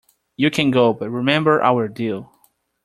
You can go, but remember our deal.